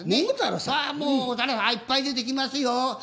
桃太郎さん。はもういっぱい出てきますよ。